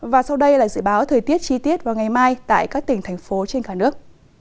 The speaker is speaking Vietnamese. và sau đây là dự báo thời tiết chi tiết vào ngày mai tại các tỉnh thành phố trên cả nước